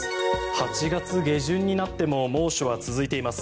８月下旬になっても猛暑は続いています。